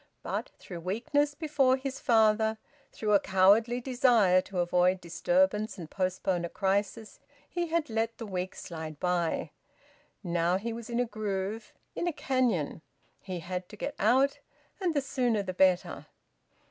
But, through weakness before his father, through a cowardly desire to avoid disturbance and postpone a crisis, he had let the weeks slide by. Now he was in a groove, in a canyon. He had to get out, and the sooner the better.